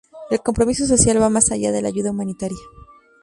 El compromiso social va más allá de la ayuda humanitaria.